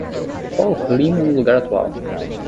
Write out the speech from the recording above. Qual o clima no lugar atual?